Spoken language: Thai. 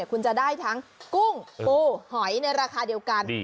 คุณจะได้ทั้งกุ้งปูหอยในราคาเดียวกัน